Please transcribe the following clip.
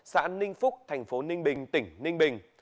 xã ninh phúc thành phố ninh bình tỉnh ninh bình